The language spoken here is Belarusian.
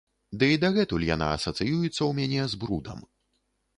Ды і дагэтуль яна асацыюецца ў мяне з брудам.